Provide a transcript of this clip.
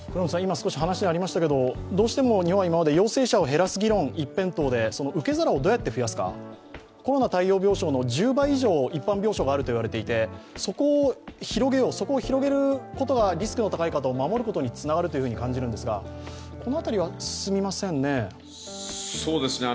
どうしても日本は今まで陽性者を減らす議論一辺倒で受け皿をどうやって増やすかコロナ対応病床の１０倍以上一般病床があるといわれていて、そこを広げることがリスクの高い方を守ることにつながると感じるんですがこの辺りは進みませんね。